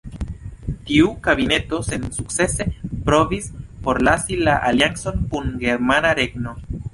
Tiu kabineto sensukcese provis forlasi la aliancon kun Germana Regno.